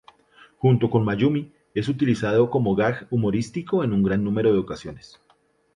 Junto con Mayumi es usado como gag humorístico en un gran número de ocasiones.